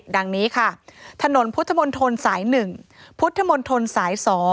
ดังนี้ค่ะถนนพุทธมนตรสาย๑พุทธมนตรสาย๒